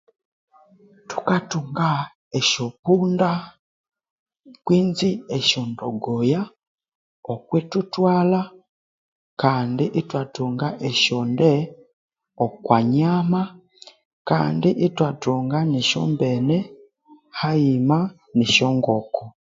Thukathunga esyopunda kwenzi esyondogoya okwithuthwalha kandi ithwathunga esyonde okwa nyama kandi ithwathunga nesyombene hayima nesyongoko